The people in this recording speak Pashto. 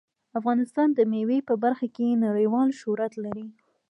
افغانستان د مېوې په برخه کې نړیوال شهرت لري.